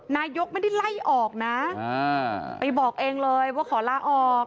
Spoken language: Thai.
นายกไม่ได้ไล่ออกนะไปบอกเองเลยว่าขอลาออก